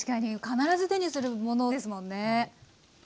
必ず手にするものですもんね。